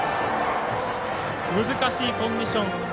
難しいコンディション。